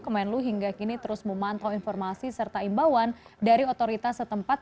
kemenlu hingga kini terus memantau informasi serta imbauan dari otoritas setempat